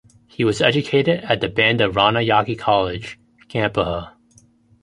He was educated at the Bandaranayake College, Gampaha.